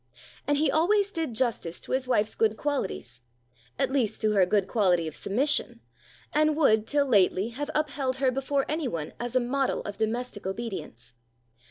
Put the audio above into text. And he always did justice to his wife's good qualities,—at least to her good quality of submission,—and would, till lately, have upheld her before any one as a model of domestic obedience.